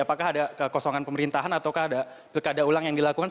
apakah ada kekosongan pemerintahan ataukah ada pilkada ulang yang dilakukan